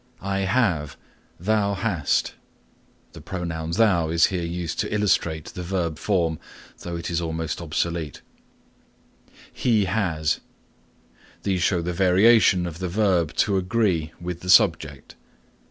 "I have," "Thou hast," (the pronoun thou is here used to illustrate the verb form, though it is almost obsolete), "He has," show the variation of the verb to agree with the subject.